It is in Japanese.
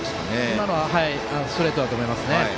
今のはストレートだと思います。